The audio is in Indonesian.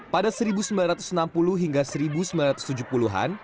pada seribu sembilan ratus enam puluh hingga seribu sembilan ratus tujuh puluh an